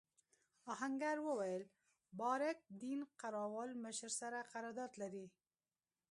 آهنګر وویل بارک دین قراوول مشر سره قرارداد لري.